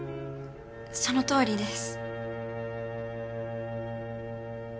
そのとおりです。